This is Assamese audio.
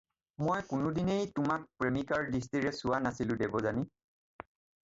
মই কোনোদিনেই তোমাক প্ৰেমিকাৰ দৃষ্টিৰে চোৱা নাছিলোঁ, দেৱযানী।